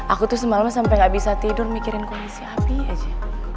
aku tuh semalam sampai gak bisa tidur mikirin kondisi api aja